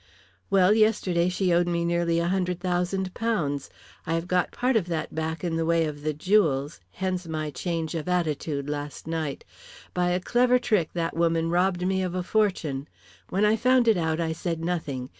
"Well, yesterday she owed me nearly £100,000. I have got part of that back in the way of the jewels, hence my change of attitude last night. By a clever trick, that woman robbed me of a fortune. When I found it out I said nothing.